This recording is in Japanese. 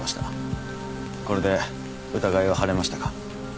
これで疑いは晴れましたか？